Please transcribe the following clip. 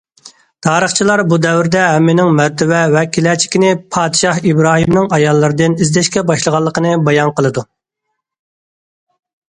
تارىخچىلار بۇ دەۋردە ھەممىنىڭ مەرتىۋە ۋە كېلەچىكىنى پادىشاھ ئىبراھىمنىڭ ئاياللىرىدىن ئىزدەشكە باشلىغانلىقىنى بايان قىلىدۇ.